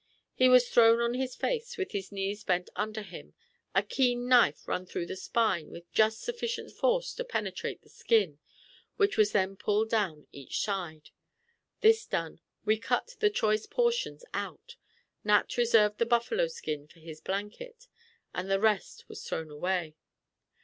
He was thrown on his face, with his knees bent under him, a keen knife run along the spine with just sufficient force to penetrate the skin, which was then pulled down each side. This done, we cut the choice portions out. Nat reserved the buffalo skin for his blanket, and the rest was thrown away.